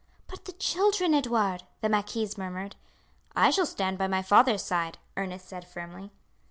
"But the children, Edouard!" the marquise murmured. "I shall stand by my father's side," Ernest said firmly.